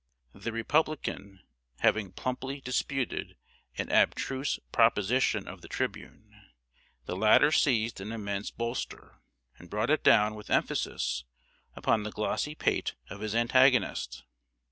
The Republican having plumply disputed an abstruse proposition of The Tribune, the latter seized an immense bolster, and brought it down with emphasis upon the glossy pate of his antagonist.